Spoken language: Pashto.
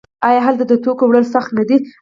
آیا هلته د توکو وړل سخت نه دي؟